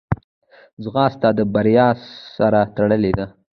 ځغاسته د بریا سره تړلې ده